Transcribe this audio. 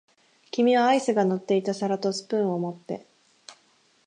君はアイスが乗っていた皿とスプーンを持って、